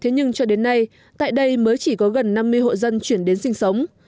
thế nhưng cho đến nay tại đây mới chỉ có gần năm mươi hộ dân chuyển đến sinh sống